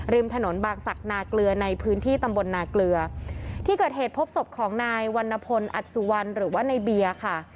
ริมถนนบางศักดิ์นาเกลือในพื้นที่ตำบลนาเกลือที่เกิดเหตุพบศพของนายวรรณพลอัตสุวรรณหรือว่าในเบียร์ค่ะ